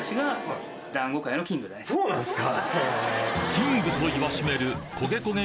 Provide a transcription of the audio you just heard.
キングと言わしめる焦げ焦げ